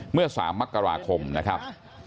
เมื่อ๓มกราคมนะครับ